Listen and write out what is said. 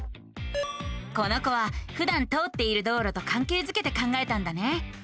この子はふだん通っている道路とかんけいづけて考えたんだね。